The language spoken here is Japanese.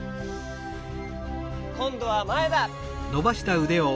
こんどはまえだ。